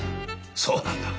そうなんだ。